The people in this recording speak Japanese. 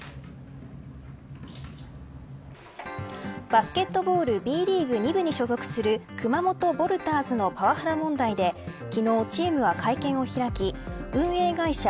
バスケットボールＢリーグ２部に属する熊本ヴォルターズのパワハラ問題で昨日チームは会見を開き運営会社